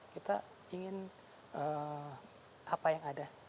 kita ingin apa yang ada